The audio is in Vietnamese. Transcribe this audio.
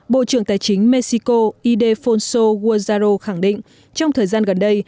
bộ trưởng tài chính mexico idefonso guajaro khẳng định trong thời gian gần đây